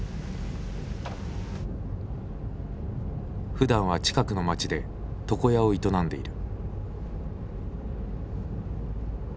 ふだんは近くの町で床屋を営んでいる。